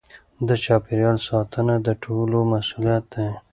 د چاپیریال ساتنه د ټولو مسؤلیت دی.